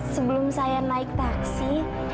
sebelum saya naik taksi